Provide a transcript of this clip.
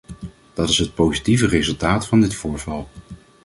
Dat is het positieve resultaat van dit voorval.